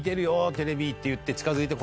テレビって言って近づいてこられて。